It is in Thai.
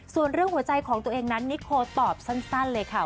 ส่วนเรื่องหัวใจของตัวเองนั้นนิโคตอบสั้นเลยค่ะ